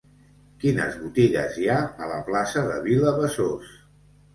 Quines botigues hi ha a la plaça de Vilabesòs?